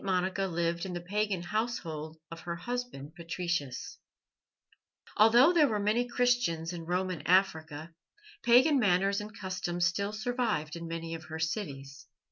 MONICA LIVED IN THE PAGAN HOUSEHOLD OF HER HUSBAND PATRICIUS Although there were many Christians in Roman Africa, pagan manners and customs still survived in many of her cities.